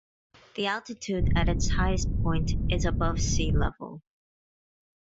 The altitude at its highest point is above sea level.